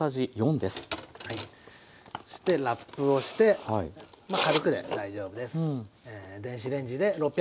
ラップをしてまあ軽くで大丈夫です。